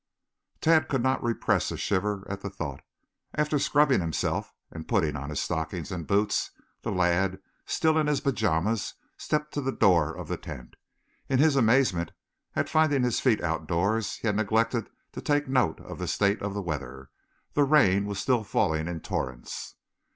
Tad could not repress a shiver at the thought. After scrubbing himself and putting on his stockings and boots the lad, still in his pajamas, stepped to the door of the tent. In his amazement at finding his feet outdoors he had neglected to take note of the state of the weather. The rain was still falling in torrents.